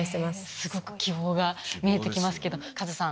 すごく希望が見えて来ますけどカズさん